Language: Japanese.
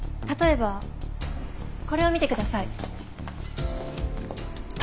例えばこれを見てください。